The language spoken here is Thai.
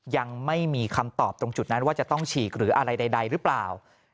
ยังไม่มีคำตอบตรงจุดนั้นว่าจะต้องฉีกหรืออะไรใดหรือเปล่า